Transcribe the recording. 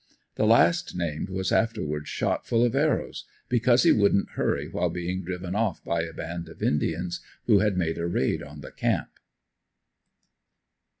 The last named was afterwards shot full of arrows because he wouldn't hurry while being driven off by a band of indians who had made a raid on the camp.